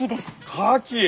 カキ！